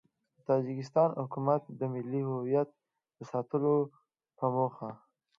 د تاجیکستان حکومت د ملي هویت د ساتلو په موخه